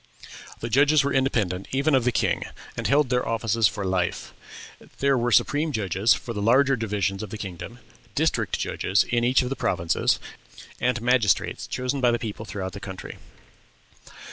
The judges were independent even of the king, and held their offices for life. There were supreme judges for the larger divisions of the kingdom, district judges in each of the provinces, and magistrates chosen by the people throughout the country.